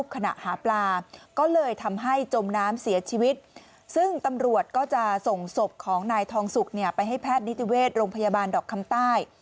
ก็จะส่งสบของนายทองสุกไปให้แพทย์นิตเวศโรงพยาบาลดอกคำใต้